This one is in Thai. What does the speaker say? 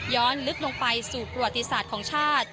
ลึกลงไปสู่ประวัติศาสตร์ของชาติ